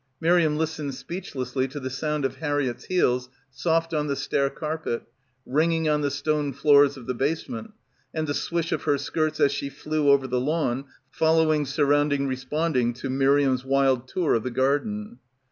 Miriam lis tened speechlessly to the sound of Harriett's heels soft on the stair carpet, ringing on the stone floors of the basement, and the swish of her skirts as she flew over the lawn following surrounding re sponding to Miriam's wild tour of the garden.